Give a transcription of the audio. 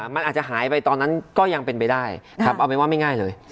มันอาจจะหายไปตอนนั้นก็ยังเป็นไปได้เอาเป็นว่าไม่ง่ายเลย